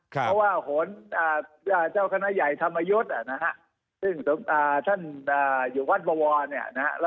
เพราะว่าหนเจ้าคณะใหญ่ธรรมยศนะฮะซึ่งท่านอยู่วัดบวรเนี่ยนะฮะ